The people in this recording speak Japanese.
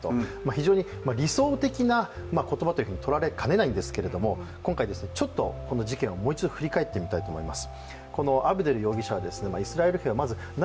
非常に理想的な言葉というふうにとられかねないんですが、今回、ちょっとこの事件をもう一度振り返ってみたいと思います。